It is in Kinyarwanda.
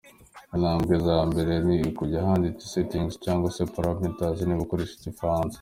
Intambwe ya mbere ni ukujya ahanditse Settings cyangwa se Parametres niba ukoresha Igifaransa.